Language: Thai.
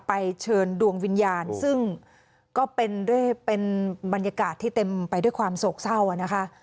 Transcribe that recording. เชิญดวงวิญญาณซึ่งก็เป็นด้วยเป็นบรรยากาศที่เต็มไปด้วยความโศกเศร้านะคะ